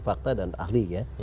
fakta dan ahlinya